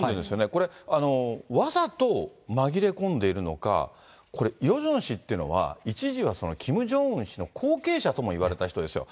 これ、わざと紛れ込んでるのか、これ、ヨジョン氏っていうのは、一時はキム・ジョンウン氏の後継者ともいわれた人ですよ。